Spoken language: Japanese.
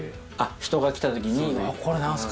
人が来た時にこれ何すか？